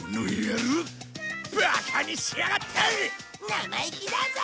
生意気だぞ！